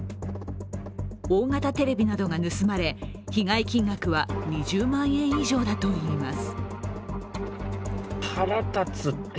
大型テレビなどが盗まれ、被害金額は２０万円以上だといいます。